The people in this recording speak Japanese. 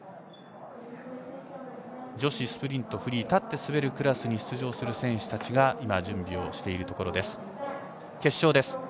女子スプリントフリー立って滑るクラスに出場する選手たちが今、準備をしているところです。